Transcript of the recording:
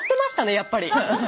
やっぱり。